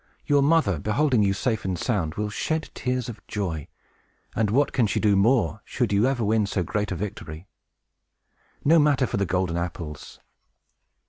Your mother, beholding you safe and sound, will shed tears of joy; and what can she do more, should you win ever so great a victory? No matter for the golden apples!